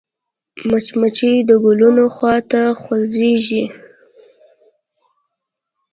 مچمچۍ د ګلونو خوا ته خوځېږي